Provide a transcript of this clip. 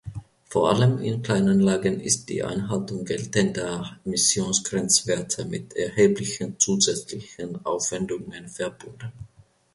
Vor allem in Kleinanlagen ist die Einhaltung geltender Emissionsgrenzwerte mit erheblichen zusätzlichen Aufwendungen verbunden.